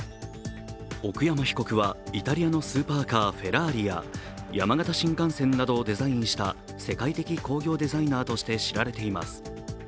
奥山被告はイタリアのスーパーカー、フェラーリや山形新幹線などをデザインした世界的工業デザイナーとして知られています。